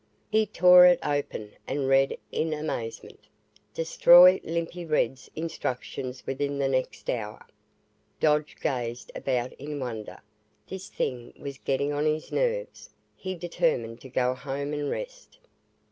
He tore it open, and read in amazement: "Destroy Limpy Red's instructions within the next hour." Dodge gazed about in wonder. This thing was getting on his nerves. He determined to go home and rest.